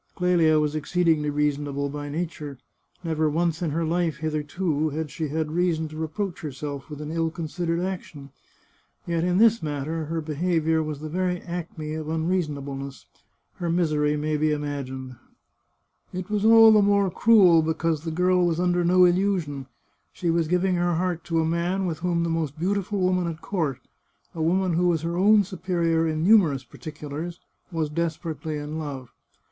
Clelia was exceedingly reasonable by nature ; never once in her life, hitherto, had she had reason to reproach herself with an ill considered action. Yet in this matter her beha viour was the very acme of unreasonableness. Her misery 345 The Chartreuse of Parma may be imagined. It was all the more cruel because the girl was under no illusion; she was giving her heart to a man with whom the most beautiful woman at court, a woman who was her own superior in numerous particulars, was desperately in love.